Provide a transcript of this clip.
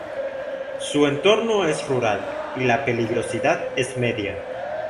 Su entorno es rural y la peligrosidad es media.